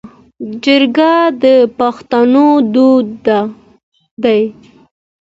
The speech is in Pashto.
جرګه د پښتنو دود دی